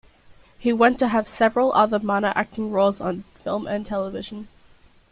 He went to have several other minor acting roles on film and television.